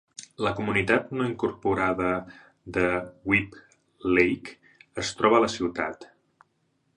La comunitat no incorporada de Webb Lake es troba a la ciutat.